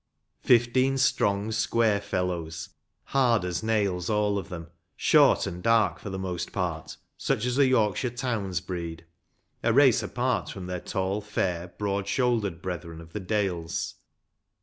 Fifteen strong, square fellows, hard as nails all of them ; short and dark for the most part, such as the Yorkshire towns breed ‚ÄĒ a race apart from their tall, fair, broad shouldered brethren of the dales.